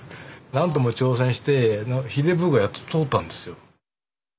何度も挑戦して「ひでぶ」がやっと通ったんですよ。